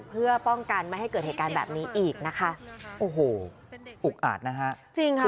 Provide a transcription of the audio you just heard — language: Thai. เพื่อป้องกันไม่ให้เกิดเหตุการณ์แบบนี้อีกนะคะโอ้โหอุกอาจนะฮะจริงค่ะ